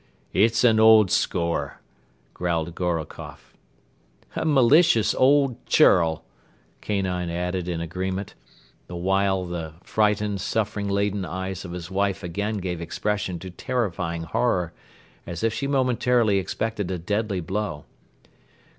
"It is an old score," growled Gorokoff. "A malicious old churl," Kanine added in agreement, the while the frightened, suffering laden eyes of his wife again gave expression to terrifying horror, as if she momentarily expected a deadly blow.